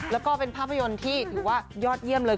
แล้วก็เป็นภาพยนตร์ที่ถือว่ายอดเยี่ยมเลย